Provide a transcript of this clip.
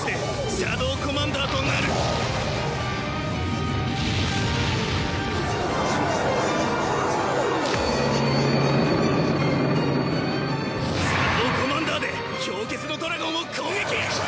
シャドウコマンダーで氷結のドラゴンを攻撃！